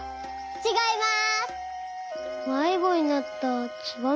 ちがいます。